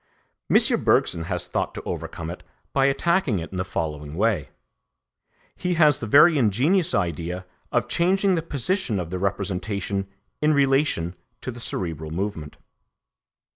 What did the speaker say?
M. Bergson has thought to overcome it by attacking it in the following way. He has the very ingenious idea of changing the position of the representation in relation to the cerebral movement.